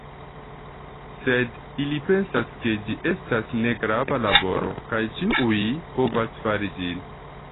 Sed ili pensas ke ĝi estas ne grava laboro kaj ĉiuj povas fari ĝin.